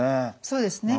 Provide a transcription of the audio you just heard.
そうですね。